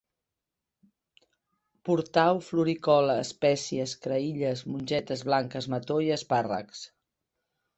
Portau floricol, espècies, creïlles, mongetes blanques, mató i espàrrecs